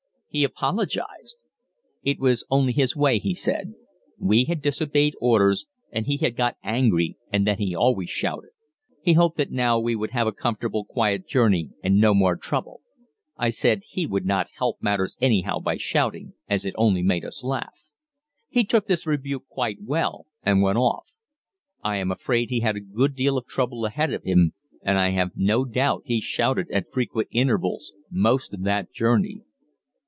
He apologized. It was only his way he said. We had disobeyed orders and he had got angry and then he always shouted. He hoped that now we would have a comfortable quiet journey and no more trouble. I said he would not help matters anyhow by shouting as it only made us laugh. He took this rebuke quite well and went off. I am afraid he had a good deal of trouble ahead of him, and I have no doubt he shouted at frequent intervals most of that journey.